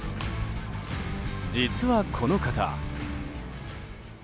実は、この方。